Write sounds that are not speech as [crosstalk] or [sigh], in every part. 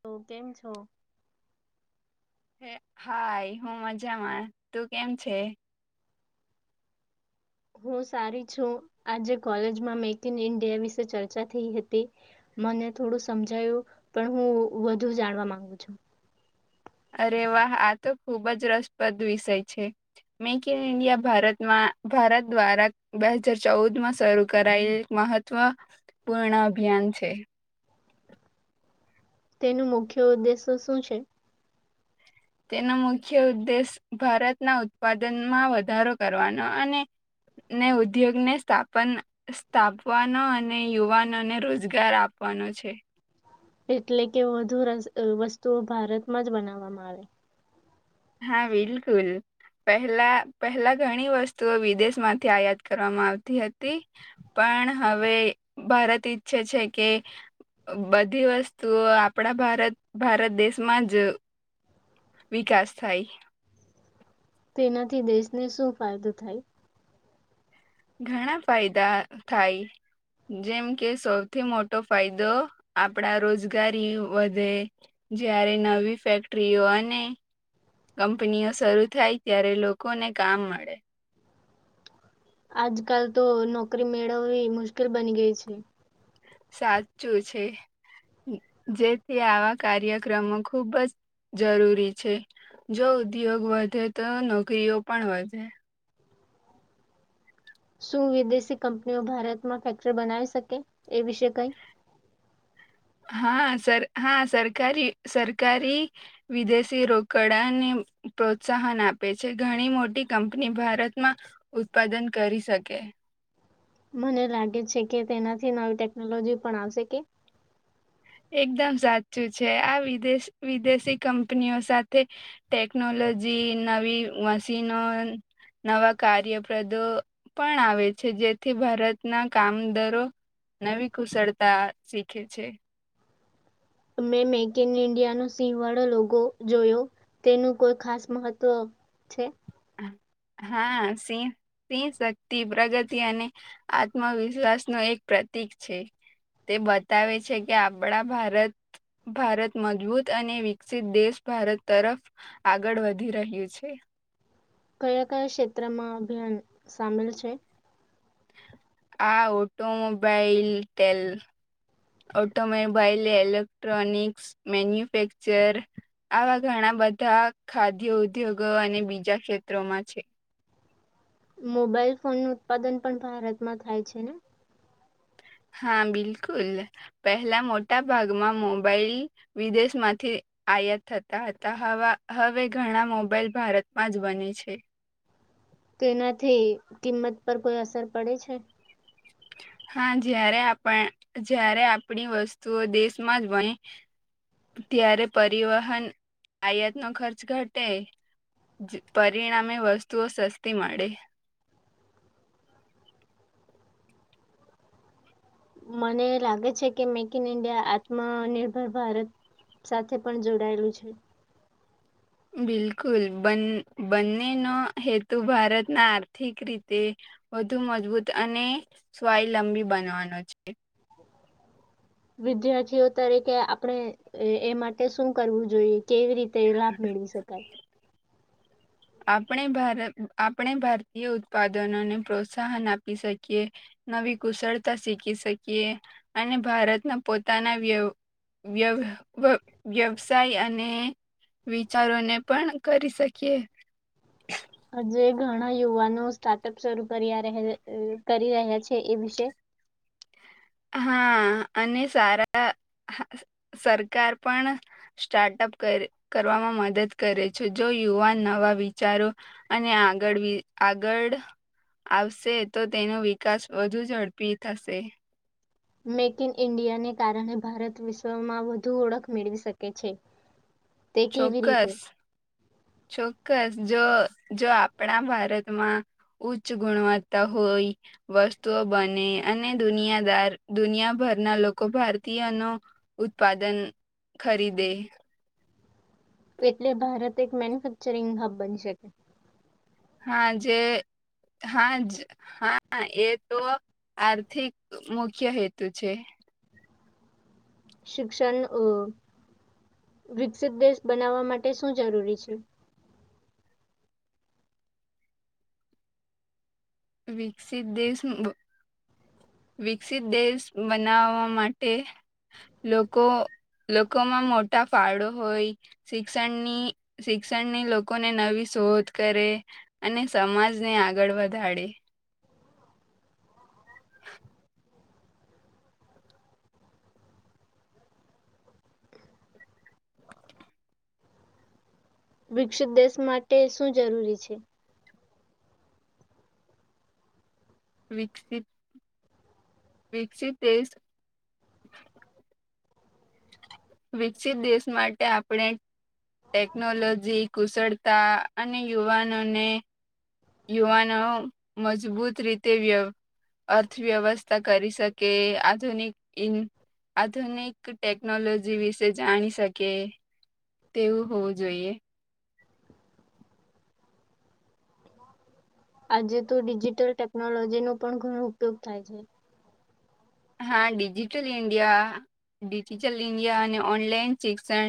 તો કેમ છો? હ હાઈ હું મજામાં, તું કેમ છે? હું સારી છું આજે કોલેજમાં મેક ઈન ઈન્ડિયા વિશે ચર્ચા થઈ હતી મને થોડું સમજાયું પણ હું વધુ જાણવા માંગુ છું. અરે વા આ તો ખુબ જ રસપ્રદ વિષય છે મેક ઇન ઇન્ડિયા ભારતમાં ભારત દ્વારા બે હજાર ચૌદ માં શરૂ કરાયલ મહત્વ પૂર્ણ અભિયાન છે. તેનું મુખ્ય ઉદ્દેશ્ય શું શું છે? તેનો મુખ્ય ઉદ્દેશ ભારતના ઉત્પાદનમાં વધારો કરવાનો અને ને ઉદ્યોગને સ્થાપન સ્થાપવાનો અને યુવાનોને રોજગાર આપવાનો છે. એટલે કે વધુ વસ્તુઓ ભારતમાં જ બનાવવામાં આવે. હા બિલકુલ પહેલા પહેલા ઘણી વસ્તુઓ વિદેશમાંથી આયાત કરવામાં આવતી હતી પણ હવે ભારત ઈચ્છે છે કે બધી વસ્તુઓ આપણા ભારત ભારત દેશમાં જ વિકાસ થાય. તેનાથી દેશને શું ફાયદો થાય. ઘણા ફાયદા થાય જેમ કે સૌથી મોટો ફાયદો આપણા રોજગારી વધે, જ્યારે નવી ફેક્ટરીઓ અને કંપનીઓ શરૂ થાય ત્યારે લોકોને કામ મળે. આજકાલ તો નોકરી મેળવવી મુશ્કેલ બની ગઈ છે. સાચું છે જેથી આવા કાર્યક્રમો ખુબ જ જરૂરી છે જો ઉદ્યોગ વધે તો નોકરીઓ પણ વધે. શું વિદેશી કંપનીઓ ભારતમાં ફેક્ટરી બનાવી શકે એ વિશે કઈ. હા સર હા સરકારી સરકારી વિદેશી રોકડાને પ્રોત્સાહન આપે છે ઘણી મોટી કંપની ભારતમાં ઉત્પાદન કરી શકે. મને લાગે છે કે તેનાથી નવી ટેકનોલોજી પણ આવશે કે. એકદમ સાચું છે આ વિદેશ વિદેશી કંપનીઓ સાથે ટેકનોલોજી, નવી મશીનો નવા કાર્યપ્રદો પણ આવે છે જેથી ભારતના કામદાર નવી કુશળતા શીખે છે. તમે મેક ઈન ઇન્ડિયા નો સિંહવાળો લોકો જોયો, તેનું કોઈ ખાસ મહત્વ છે? હા સિહ સિંહ શક્તિ પ્રગતિ અને આત્મવિશ્વાસ નું એક પ્રતીક છે તે બતાવે છે કે આપણા ભારત ભારત મજબૂત અને વિકસિત દેશ ભારત તરફ આગળ વધી રહ્યું છે. કયા કયા ક્ષેત્રમાં અભિયાન સામેલ છે? આ ઓટોમોબાઈલ તેલ ઓટોમોબાઈલ ઇલેક્ટ્રોનિક્ મેન્યુફેક્ચર આવા ઘણા બધા ખાદ્ય ઉદ્યોગો અને બીજા ક્ષેત્રોમાં છે. મોબાઈલ ફોન નું ઉત્પાદન પણ ભારતમાં થાય છે ને. હા બિલકુલ પહેલા મોટા ભાગમાં મોબાઈલ વિદેશ માંથી આયાત થતા હતા હવે ઘણા મોબાઈલ ભારતમાં જ બને છે. તો એનાથી કિંમત પર કોઈ અસર પડે છે. હા જ્યારે આપ જ્યારે આપણી વસ્તુઓ દેશમાં જ બય ત્યારે પરિવહન આયાતનો ખર્ચ ઘટે પરિણામે વસ્તુઓ સસ્તી મળે. મને લાગે છે કે મેક ઇન ઇન્ડિયા આત્મનિર્ભર ભારત સાથે પણ જોડાયેલું છે. બિલકુલ બ બંનેનો હેતુ ભારતના આર્થિક રીતે વધુ મજબૂત અને સ્વાવલંબી બનવાનો છે વિદ્યાર્થીઓ તરીકે આપણે એ માટે શું કરવું જોઈએ કેવી રીતે તે લાભ મેળવી શકાય આપણે ભારતીય ઉત્પાદનોને પ્રોત્સાહન આપી શકીએ નવી કુશળતા શીખી શકીએ અને ભારતના પોતાના વ્ય વ્ય વ્યવસાય અને વિચારોને પણ કરી શકીએ [inaudible] હજે ઘણા યુવાનો સ્ટાર્ટઅપ શરૂ કરી કરી રહ્યા છે એ વિશે હા અને સારા સરકાર પણ સ્ટાર્ટઅપ કરવામાં મદદ કરે છે જો યુવાન નવા વિચારો અને આગળ આગળ આવશે તો તેનો વિકાસ વધુ ઝડપી થશે મેક ઇન ઈન્ડિયાને કારણે ભારત વિશ્વમાં વધુ ઓળખ મેળવી શકે છે તે કેવી રીતે ચોક્કસ ચોક્કસ જો જો આપણા ભારતમાં ઉચ્ચ ગુણવત્તા હોય વસ્તુઓ બને અને દુનિયાદાર દુનિયાભરના લોકો ભારતીયનો ઉત્પાદન ખરીદે એટલે ભારત એક મેન્યુફેક્ચરિંગ હબ બની શકે હા જે હા જ હા એ તો આર્થિક મુખ્ય હેતુ છે શિક્ષણ વિકસિત દેશ બનાવવા માટે શું જરૂરી છે વિકસિત દેશ વિકસિત દેશ બનાવવા માટે લોકો લોકોમાં મોટા ફાળો હોય શિક્ષણની શિક્ષણની લોકોને નવી શોધ કરે અને સમાજને આગળ વધારેે વિકસિત દેશ માટે શું જરૂરી છે વિકસિત વિકસિત દેશ વિકસિત દેશ માટે આપણે ટેકનોલોજી કુશળતા અને યુવાનોને યુવાનો મજબૂત રીતે વ્ય અર્થવ્યવસ્થા કરી શકે આધુનિક આધુનિક ટેકનોલોજી વિશે જાણી શકે તેવું હોવું જોઈએ આજે તો ડિજિટલ ટેકનોલોજી નો પણ ઘણો ઉપયોગ થાય છે હા ડિજિટલ ઇન્ડિયા ડિજિટલ ઇન્ડિયા અને ઓનલાઈન શિક્ષણ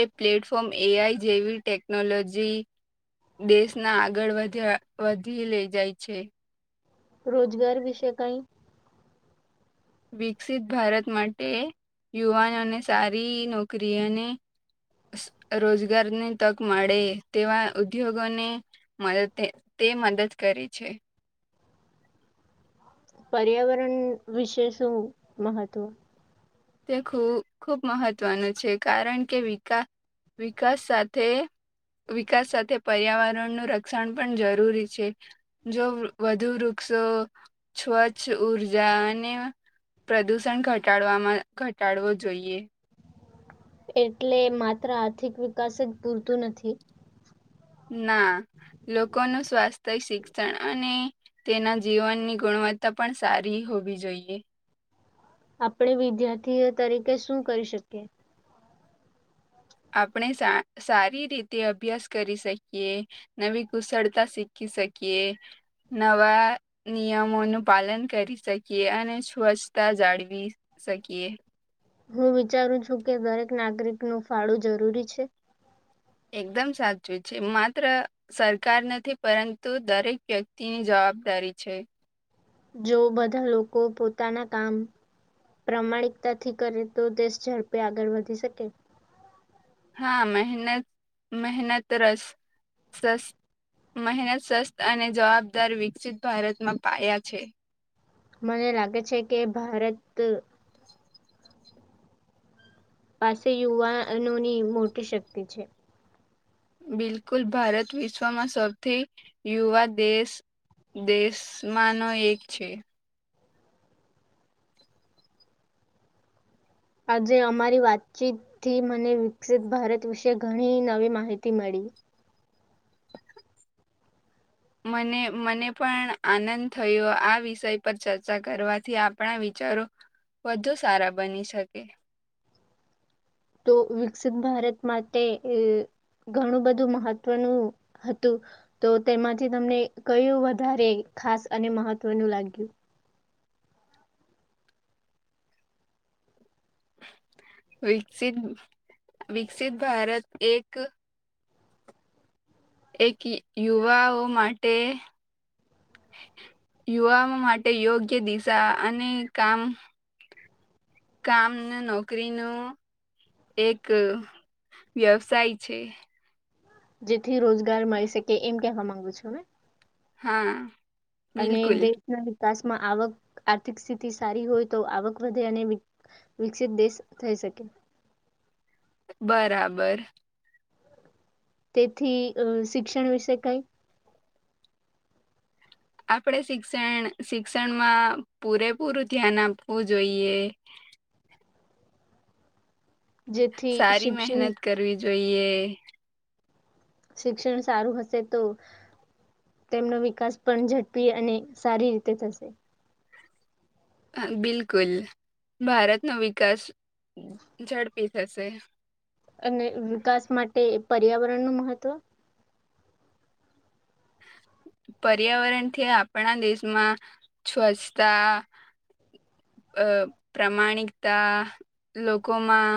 એ પ્લેટફોર્મ એઆઈ જેવી ટેકનોલોજી દેશના આગળ વધ્યા વધી લઈ જાય છે રોજગાર વિશેય કઈ વિકસિત ભારત માટે યુવાનોને સારી નોકરી અને રોજગારની તક મળે તેવા ઉદ્યોગોને તે મદદ કરે છે પર્યાવરણ વિશે શું મહત્વ તે ખૂબ મહત્વનું છે કારણ કે વિકાસ વિકાસ સાથે વિકાસ સાથે પર્યાવરણનું રક્ષણ પણ જરૂરી છે જો વધુ વૃક્ષો સ્વચ્છ ઉર્જા અને પ્રદુષણ ઘટાડવામાં ઘટાડવો જોઈએ એટલે માત્ર આર્થિક વિકાસ જ પૂરતું નથી ના લોકોનું સ્વાસ્થ્ય શિક્ષણ અને તેના જીવનની ગુણવત્તા પણ સારી હોવી જોઈએ આપણે વિદ્યાર્થીઓ તરીકે શું કરી શકીએ આપણે સારી રીતે અભ્યાસ કરી શકીએ નવી કુશળતા શીખી શકીએ નવા નિયમોનું પાલન કરી શકીએ અને સ્વચ્છતા જાળવી શકીએ હું વિચારું છું કે દરેક નાગરિક નું ફાળું જરૂરી છે એકદમ સાચું છે માત્ર સરકાર નથી પરંતુ દરેક વ્યક્તિની જવાબદારી છે જો બધા લોકો પોતાના કામ પ્રામાણિકતાથી કરે તો દેશ ઝડપે આગળ વધી શકે હા મહેનત મહેનતરસ મહેનત સસ્ત અને જવાબદાર વિકસિત ભારતમાં પાયા છે મને લાગે છે કે ભારત પાસે યુવાનોની મોટી શક્તિ છે બિલકુલ ભારત વિશ્વમાં સૌથી યુવા દેશ દેશમાંનો એક છે આજે અમારી વાતચીત થી મને વિકસિત ભારત વિશે ઘણી નવી માહિતી મળી મને મને પણ આનંદ થયો આ વિષય પર ચર્ચા કરવાથી આપણા વિચારો વધુ સારા બની શકે તો વિકસિત ભારત માટે ઘણું બધું મહત્વનું હતું તો તેમાંથી તમને કયું વધારે ખાસ અને મહત્વનું લાગ્યું વિકસિત વિકસિત ભારત એક એક યુવાઓ માટે યુવાઓ માટે યોગ્ય દિશા અને કામ કામ નોકરીનો એક વ્યવસાય છે જેથી રોજગાર મળી શકે એમ કેવા માંગુ છું મે હા અને બિલકુલ દેશના વિકાસમાં આવક આર્થિકસ્થિતિ સારી હોય તો આવક વધે અને વિકસિત દેશ થઈ શકે બરાબર તેથી અ શિક્ષણ વિશે કાંઈ આપણેે શિક્ષણ શિક્ષણમાં પૂરેપૂરું ધ્યાન આપવું જોઈએ. જેથી સારી શિક્ષણ મહેનત કરવી જો જોઈએ. શિક્ષણ સારું હશે તો તેમનો વિકાસ પણ ઝડપી અને સારી રીતે થશે. હહ બિલકુલ ભારતનો વિકાસ ઝડપી થશે. અને વિકાસ માટે પર્યાવરણનું મહત્વ પર્યાવરણથી આપણા દેશમાં સ્વચ્છતા અ પ્રામાણિકતા લોકોમાં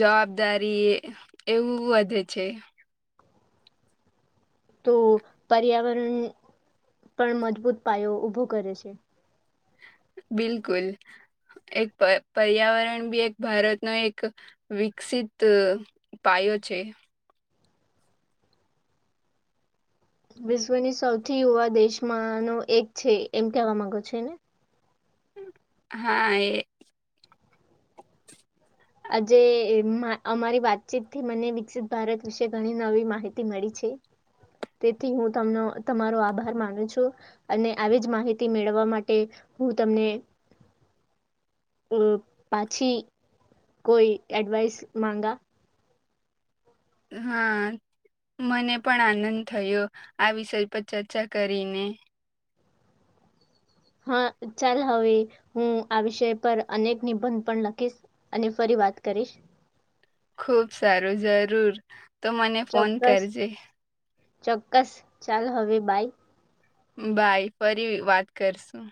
જવાબદારી એવું વધે છે. તો પર્યાવરણ પણ મજબૂત પાયો ઉભો કરે છે. બિલકુલ એક પ પર્યાવરણ બી એક ભારતનો એક વિકસિત પાયો છે. વિશ્વની સૌથી યુવા દેશમાંનો એક છે એમ કેવા માંગો છો ને? હા એ આજે એ અમારી વાતચીતથી મને વિકસિત ભારત વિશે ઘણી નવી માહિતી મળી છે. તેથી હું તમને તમારો આભાર માનું છું. અને આવી જ માહિતી મેળવવા માટે હું તમને અ પાછી કોઈ એડવાઈસ માંગા હા મને પણ આનંદ થયો. આ વિષય પર ચર્ચા કરીને. હહ ચાલ હવે હું આ વિષય પર અનેક નિબંધ પણ લખીશ. અને ફરી વાત કરીશ. ખુબ સારું જરૂર. તો મને ફોન ચોક્કસ કરજે. ચોક્કસ ચાલ હવે બાય. બાય ફરી વાત કરશું.